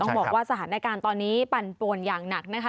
บอกว่าสถานการณ์ตอนนี้ปั่นป่วนอย่างหนักนะคะ